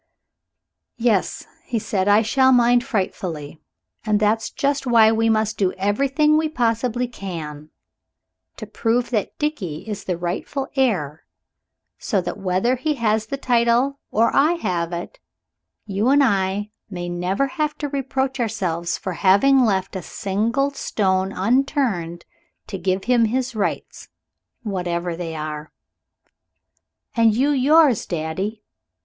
"Yes," he said, "I shall mind, frightfully. And that's just why we must do everything we possibly can to prove that Dickie is the rightful heir, so that whether he has the title or I have it you and I may never have to reproach ourselves for having left a single stone unturned to give him his rights whatever they are." "And you, yours, daddy."